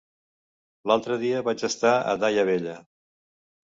L'altre dia vaig estar a Daia Vella.